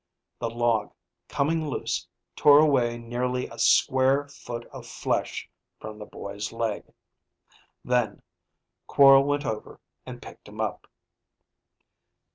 The log coming loose tore away nearly a square foot of flesh from the boy's leg. Then, Quorl went over and picked him up.